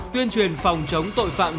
tuyên truyền phòng chống tội phạm